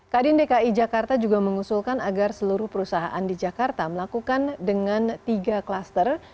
kadin dki jakarta juga mengusulkan agar seluruh perusahaan di jakarta melakukan dengan tiga klaster